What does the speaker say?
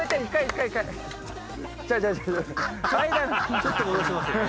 ちょっと戻しますね。